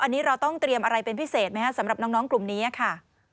อันนี้เราต้องเตรียมอะไรเป็นพิเศษไหมครับสำหรับน้องกลุ่มนี้ค่ะ